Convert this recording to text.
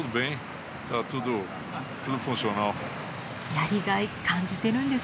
やりがい感じてるんですね。